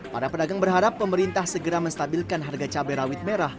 para pedagang berharap pemerintah segera menstabilkan harga cabai rawit merah